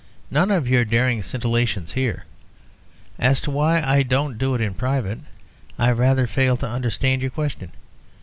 "None of your daring scintillations here. As to why I don't do it in private, I rather fail to understand your question.